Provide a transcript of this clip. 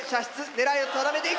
狙いを定めていく！